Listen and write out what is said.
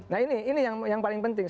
nah ini yang paling penting